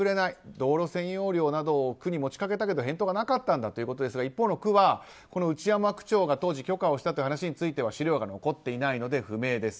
道路占用料などを区に持ち掛けたけど返答がなかったということですが一方の区は、内山区長が当時許可をしたという話は資料が残っていないので不明です。